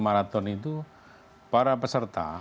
marathon itu para peserta